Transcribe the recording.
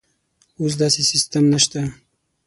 اوس داسې سیستم نشته.